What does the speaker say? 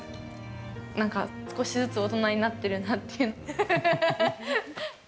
なんか少しずつ大人になってるなっていう。